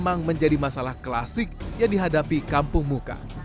memang menjadi masalah klasik yang dihadapi kampung muka